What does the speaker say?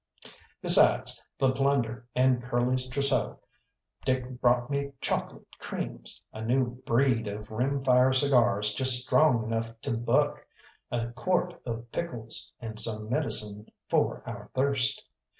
Besides the plunder and Curly's trousseau, Dick brought me chocolate creams, a new breed of rim fire cigars just strong enough to buck, a quart of pickles, and some medicine for our thirst.